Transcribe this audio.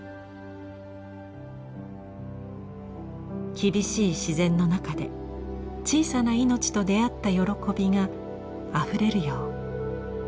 厳しい自然の中で小さな命と出会った喜びがあふれるよう。